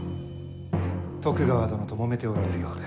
徳川殿ともめておられるようで。